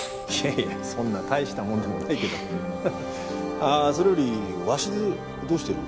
あぁそれより鷲津どうしてる？